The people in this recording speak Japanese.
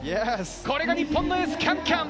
これが日本のエース、キャンキャン！